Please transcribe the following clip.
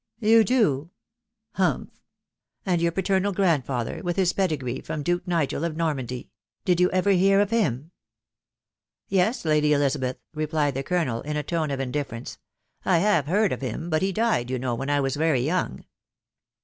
" You do ...• Humph !,•.. And your paternal grand father, with his pedigree from Duke Nigel of Normandy ; did you ever hear of him ?"" Yes, Lady Elizabeth," replied the colonel in a tone of in* difference ; Ci 1 have heard of him ; but he died, you know, when I was very young."